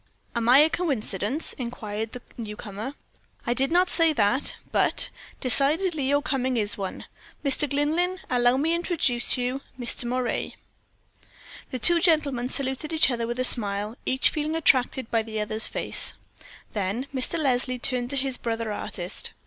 "Am I a coincidence?" inquired the new comer. "I did not say that; but, decidedly, your coming is one, Mr. Glynlyn. Allow me to introduce you Mr. Moray." The two gentlemen saluted each other with a smile, each feeling attracted by the other's face. Then Mr. Leslie turned to his brother artist.